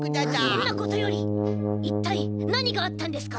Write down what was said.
そんなことよりいったいなにがあったんですか？